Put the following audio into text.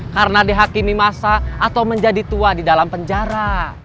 karena dihakimi massa atau menjadi tua di dalam penjara